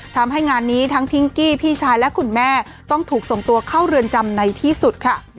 ทำให้งานนี้ทั้งพิงกี้พี่ชายและคุณแม่ต้องถูกส่งตัวเข้าเรือนจำในที่สุดค่ะ